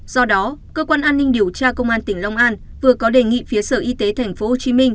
do đó cơ quan an ninh điều tra công an tỉnh long an vừa có đề nghị phía sở y tế tp hcm